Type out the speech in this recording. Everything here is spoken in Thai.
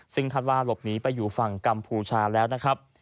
ซึ่งคาดว่าหลบหนีไปอยู่ฝั่งกัมพูชาแล้วนะครับ